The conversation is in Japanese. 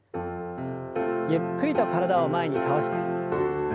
ゆっくりと体を前に倒して。